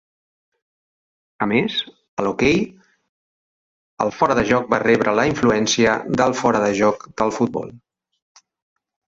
A més, a l'hoquei, el fora de joc va rebre la influència del fora de joc del futbol.